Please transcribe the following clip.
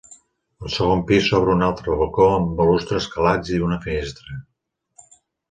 Al segon pis s'obre un altre balcó amb balustres calats i una finestra.